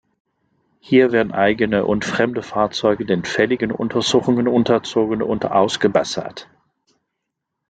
Hier werden eigene und fremde Fahrzeuge den fälligen Untersuchungen unterzogen und ausgebessert.